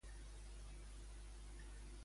Quin partit polític els va superar allà?